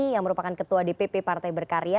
yang merupakan ketua dpp partai berkarya